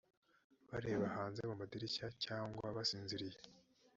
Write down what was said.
bareba hanze mu madirishya cyangwa basinziriye.